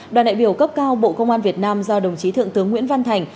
đoàn đại biểu cấp cao bộ công an việt nam do đồng chí thượng tướng nguyễn văn thành